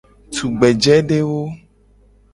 Tugbejedewo.